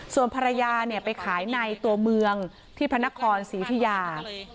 ส่วนภรรยาไปขายในตัวเมืองที่พระนครศรีอุทิยา